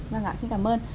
vâng ạ xin cảm ơn